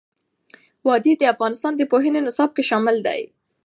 وادي د افغانستان د پوهنې نصاب کې شامل دي.